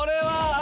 あ！